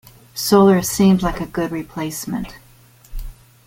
Solar seems like a good replacement.